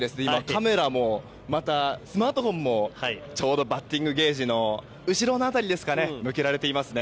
カメラ、スマートフォンもちょうどバッティングゲージの後ろの辺りに向けられていますね。